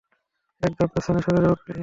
এক ধাপ পেছনে সরে যাও, প্লিজ।